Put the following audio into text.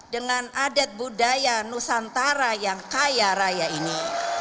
dengan adat budaya nusantara yang kaya raya ini